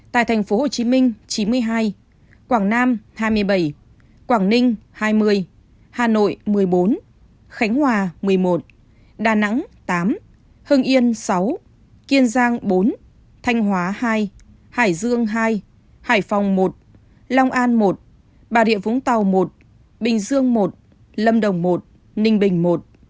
tại thành phố hồ chí minh chín mươi hai quảng nam hai mươi bảy quảng ninh hai mươi hà nội một mươi bốn khánh hòa một mươi một đà nẵng tám hưng yên sáu kiên giang bốn thanh hóa hai hải dương hai hải phòng một long an một bà địa vũng tàu một bình dương một lâm đồng một ninh bình một